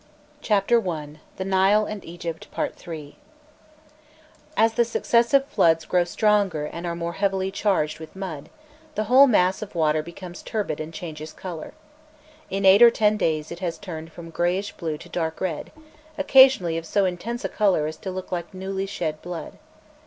jpg DURING THE INUNDATION] As the successive floods grow stronger and are more heavily charged with mud, the whole mass of water becomes turbid and changes colour. In eight or ten days it has turned from greyish blue to dark red, occasionally of so intense a colour as to look like newly shed blood.